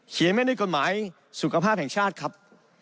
เขียนแม้ด้วยกฎหมายสุขภาพแห่งชาติครับ